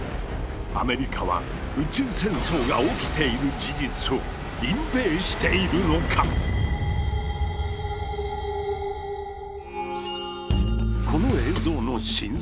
アメリカは宇宙戦争が起きている事実を隠蔽しているのか⁉この映像の真相とは？